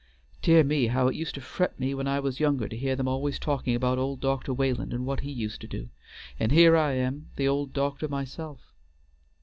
Dear me, how it used to fret me when I was younger to hear them always talking about old Doctor Wayland and what he used to do; and here I am the old doctor myself!"